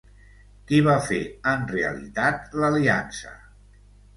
Qui va fer en realitat l'aliança?